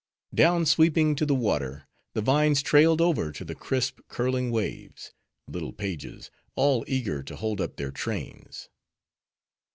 Down sweeping to the water, the vines trailed over to the crisp, curling waves,—little pages, all eager to hold up their trains.